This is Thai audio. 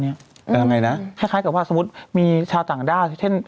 เอาไงนะคล้ายกับว่าสมมติมีชาวต่างด้าว